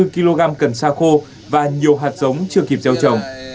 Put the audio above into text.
một trăm hai mươi bốn kg cần xa khô và nhiều hạt giống chưa kịp gieo trồng